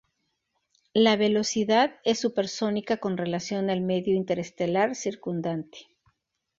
La velocidad es supersónica con relación al medio interestelar circundante.